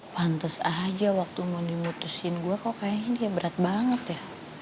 pantes aja waktu mau dimutusin gue kok kayaknya dia berat banget ya